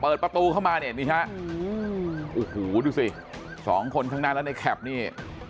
เปิดประตูเข้ามาเนี่ยนี่ฮะโอ้โหดูสิสองคนข้างหน้าแล้วในแคปนี่